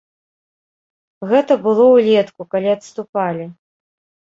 Гэта было ўлетку, калі адступалі.